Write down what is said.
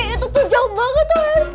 itu tuh jauh banget tuh mc